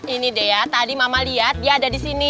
ini deh ya tadi mama liat dia ada di sini